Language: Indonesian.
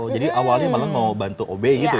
jadi awalnya malah mau bantu ob gitu ya